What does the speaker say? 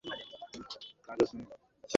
আমার কথাটা তো এতক্ষণ তুই শুনলি না।